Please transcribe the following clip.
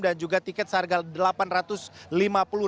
dan juga tiket seharga delapan ratus ribu